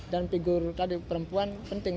dan figur tadi perempuan penting